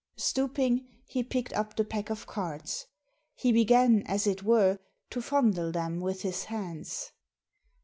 Stooping, he picked up the pack of cards. He b^^n, as it were, to fondle them with his hands.